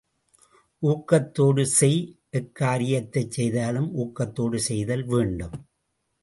ஊக்கத்தோடு செய் எக் காரியத்தைச் செய்தாலும் ஊக்கத்தோடு செய்தல் வேண்டும்.